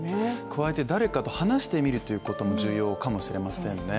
加えて誰かと話してみるということも重要かもしれませんね。